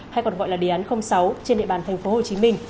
hay còn gọi là đề án sáu trên địa bàn tp hcm